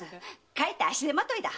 かえって足手まといだ！